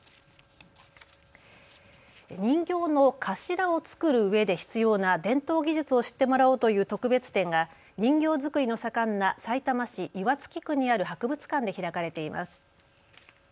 人形の頭を作るうえで必要な伝統技術を知ってもらおうという特別展が人形作りの盛んなさいたま市岩槻区にある博物館で開かれています。